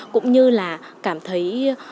cũng như là cảm thấy